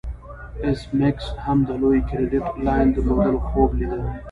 ایس میکس هم د لوی کریډیټ لاین درلودلو خوب لیده